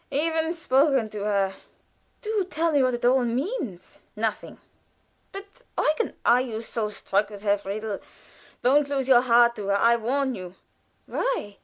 "Even spoken to her." "Do tell me what it all means." "Nothing." "But, Eugen " "Are you so struck with her, Friedel? Don't lose your heart to her, I warn you." "Why?"